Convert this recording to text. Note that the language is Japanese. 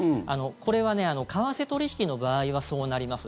これは為替取引の場合はそうなります。